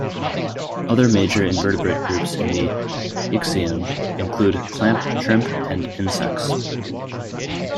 Other major invertebrate groups in the Yixian include clam shrimp and insects.